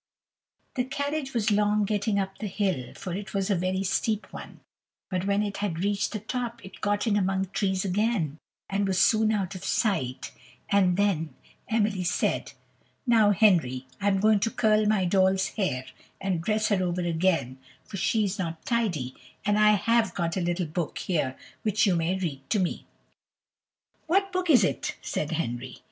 The carriage was long getting up the hill, for it was a very steep one; but when it had reached the top, it got in among trees again, and was soon out of sight; and then Emily said: "Now, Henry, I am going to curl my doll's hair, and dress her over again, for she is not tidy, and I have got a little book here which you may read to me." "What book is it?" said Henry.